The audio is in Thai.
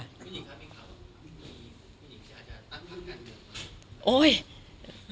คุณหญิงค่ะคุณหญิงค่ะ